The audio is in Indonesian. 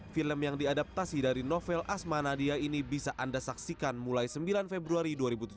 film yang diadaptasi dari novel asma nadia ini bisa anda saksikan mulai sembilan februari dua ribu tujuh belas